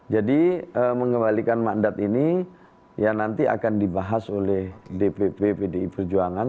jadi mengembalikan mandat ini ya nanti akan dibahas oleh dpp bdi perjuangan